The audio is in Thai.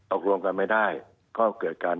ตกลงกันไม่ได้ก็เกิดการ